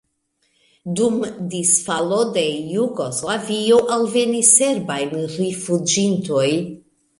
Dum disfalo de Jugoslavio alvenis serbaj rifuĝintoj.